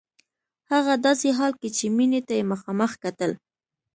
هغه داسې حال کې چې مينې ته يې مخامخ کتل.